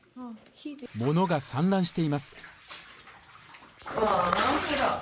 物が散乱しています。